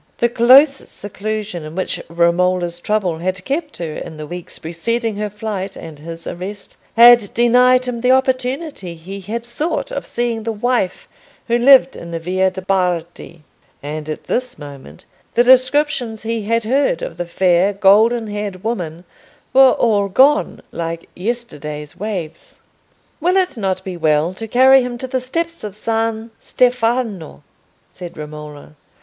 The close seclusion in which Romola's trouble had kept her in the weeks preceding her flight and his arrest, had denied him the opportunity he had sought of seeing the Wife who lived in the Via de' Bardi: and at this moment the descriptions he had heard of the fair golden haired woman were all gone, like yesterday's waves. "Will it not be well to carry him to the steps of San Stefano?" said Romola.